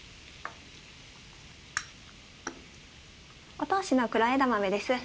お通しの黒枝豆です。